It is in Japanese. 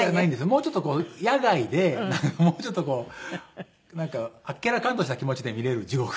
もうちょっとこう野外でもうちょっとこうあっけらかんとした気持ちで見れる地獄。